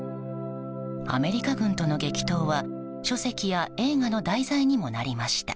アメリカ軍との激闘は書籍や映画の題材にもなりました。